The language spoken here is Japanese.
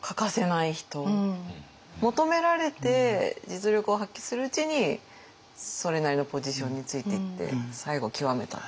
求められて実力を発揮するうちにそれなりのポジションについていって最後極めたっていう。